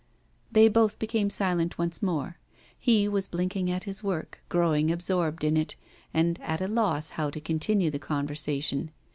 They both became silent once more. He was blinking at his work, growing absorbed in it, and at a loss how to continue the conversation.